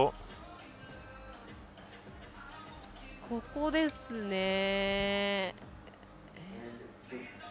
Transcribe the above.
ここですね。